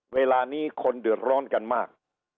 เวลานี้คนเดือดร้อนกันมาก